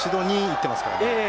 ２いっていますから。